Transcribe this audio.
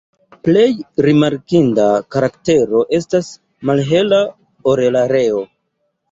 Plej rimarkinda karaktero estas malhela orelareo.